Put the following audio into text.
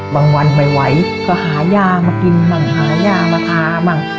บางวันไม่ไหวก็หาหญ้ามากินบ้างหาหญ้ามาทาบ้าง